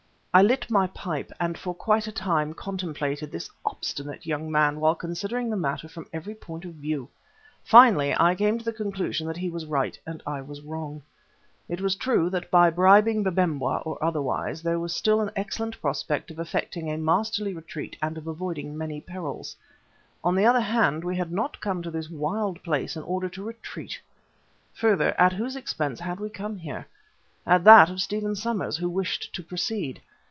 I lit my pipe, and for quite a time contemplated this obstinate young man while considering the matter from every point of view. Finally, I came to the conclusion that he was right and I was wrong. It was true that by bribing Babemba, or otherwise, there was still an excellent prospect of effecting a masterly retreat and of avoiding many perils. On the other hand, we had not come to this wild place in order to retreat. Further, at whose expense had we come here? At that of Stephen Somers who wished to proceed.